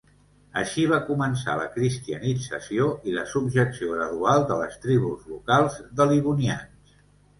Així va començar la cristianització i la subjecció gradual de les tribus locals de livonians.